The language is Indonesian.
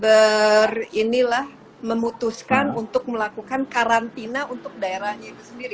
ber ini lah memutuskan untuk melakukan karantina untuk daerahnya itu sendiri